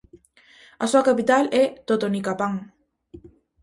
A súa capital é Totonicapán.